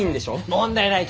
問題ないき！